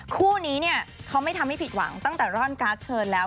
คู่นี้เนี่ยเขาไม่ทำให้ผิดหวังตั้งแต่ร่อนการ์ดเชิญแล้ว